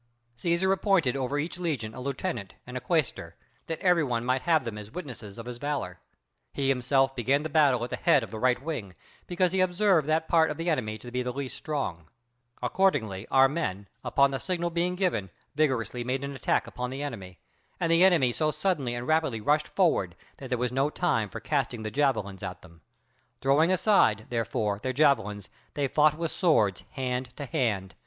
Cæsar appointed over each legion a lieutenant and a quæstor, that every one might have them as witnesses of his valor. He himself began the battle at the head of the right wing, because he had observed that part of the enemy to be the least strong. Accordingly our men, upon the signal being given, vigorously made an attack upon the enemy, and the enemy so suddenly and rapidly rushed forward that there was no time for casting the javelins at them. Throwing aside, therefore, their javelins, they fought with swords hand to hand.